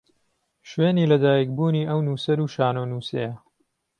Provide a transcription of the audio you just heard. شوێنی لە دایکبوونی ئەو نووسەر و شانۆنووسەیە